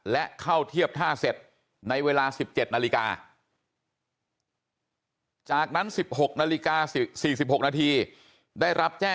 และเข้าเทียบท่าเสร็จในเวลา๑๗นาฬิกา